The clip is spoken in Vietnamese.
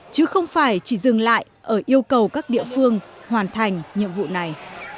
chứ không phải chỉ dừng lại ở yêu cầu các địa phương hoàn thành nhiệm vụ này